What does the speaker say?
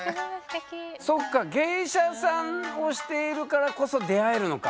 そっか芸者さんをしているからこそ出会えるのか。